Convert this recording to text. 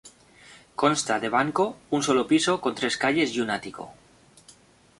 Consta de banco, un solo piso con tres calles y un ático.